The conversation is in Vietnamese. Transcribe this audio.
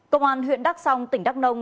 công an huyện đắk song tỉnh đắk nông